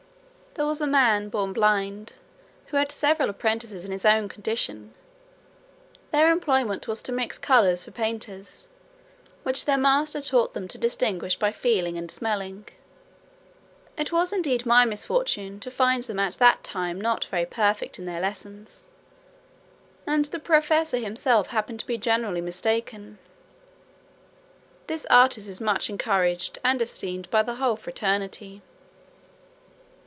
There was a man born blind, who had several apprentices in his own condition: their employment was to mix colours for painters, which their master taught them to distinguish by feeling and smelling. It was indeed my misfortune to find them at that time not very perfect in their lessons, and the professor himself happened to be generally mistaken. This artist is much encouraged and esteemed by the whole fraternity.